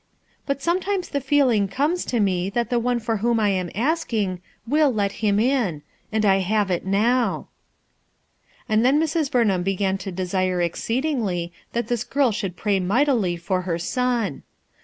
But sometimes the feeling comes to me that the one for whom I am asking, will let him in; and I have it now." And then Mrs. Burnham began to desire AX ALLY m exceedingly that this girl thould pray mightily for her son.